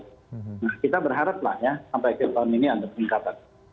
nah kita berharap lah ya sampai akhir tahun ini ada peningkatan